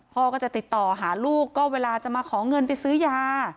พ่อก็จะติดต่อหาลูกก็เวลาจะมาขอเงินไปซื้อยา